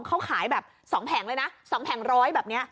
เขาขายแบบ๒แผงเลยนะ๒แผงร้อยแบบนี้